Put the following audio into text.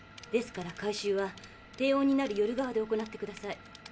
ですから回収は低温になる夜側で行ってください。